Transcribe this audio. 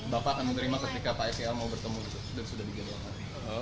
bapak akan menerima ketika pak sel mau bertemu dan sudah dijadwalkan